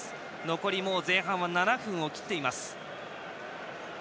残り前半は７分を切っています。